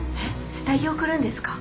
下着贈るんですか？